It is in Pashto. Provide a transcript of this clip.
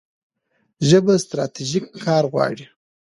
ژبه ستراتیژیک کار غواړي.